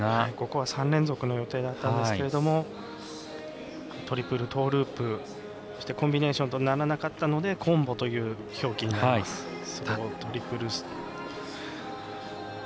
ここは３連続の予定だったんですがトリプルトーループそして、コンビネーションとならなかったのでコンボという表記になっています。